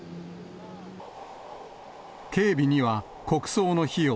警備には国葬の費用